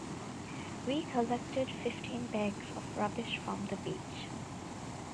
We collected fifteen bags of rubbish from the beach.